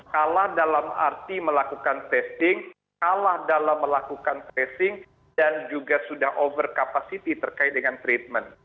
kalah dalam arti melakukan testing kalah dalam melakukan tracing dan juga sudah over capacity terkait dengan treatment